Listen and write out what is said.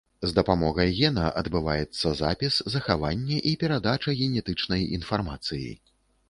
З дапамогай гена адбываецца запіс, захаванне і перадача генетычнай інфармацыі.